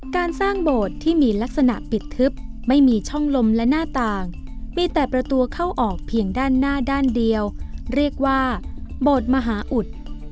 การสร้างโบสถ์ที่มีลักษณะปิดทึบไม่มีช่องลมและหน้าต่างมีแต่ประตูเข้าออกเพียงด้านหน้าด้านเดียวเรียกว่าโบสถ์มหาอุด